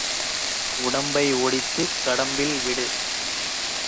உடம்பை ஒடித்துக் கடம்பில் விடு.